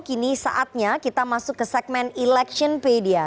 kini saatnya kita masuk ke segmen electionpedia